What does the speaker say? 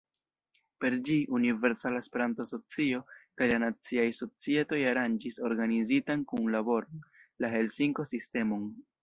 Per ĝi, Universala Esperanto-Asocio kaj la naciaj societoj aranĝis organizitan kunlaboron, la Helsinko-sistemon.